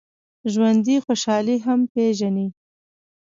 ژوندي خوشحالي هم پېژني